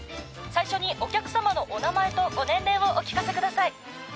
「最初にお客様のお名前とご年齢をお聞かせください」